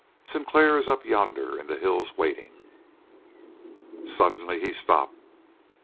Sinclair is up yonder in the hill waiting " Suddenly he stopped.